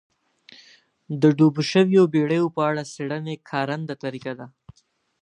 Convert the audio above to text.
د ډوبو شویو بېړیو په اړه څېړنې کارنده طریقه ده.